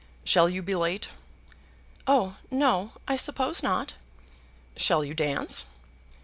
Shall you be late?" "Oh, no; I suppose not." "Shall you dance?"